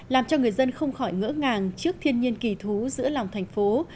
làm cho người dân không khỏi ngỡ ngàng trước thiên nhiên kỳ thú giữa lòng thành phố